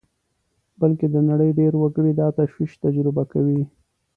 بلکې د نړۍ ډېری وګړي دا تشویش تجربه کوي